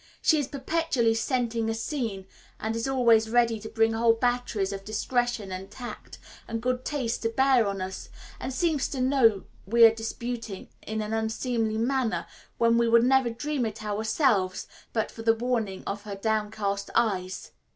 She is perpetually scenting a scene, and is always ready to bring whole batteries of discretion and tact and good taste to bear on us, and seems to know we are disputing in an unseemly manner when we would never dream it ourselves but for the warning of her downcast eyes.